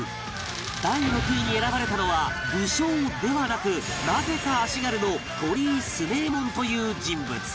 第６位に選ばれたのは武将ではなくなぜか足軽の鳥居強右衛門という人物